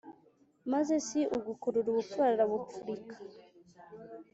maze si ugukurura ubupfura arabupfurika.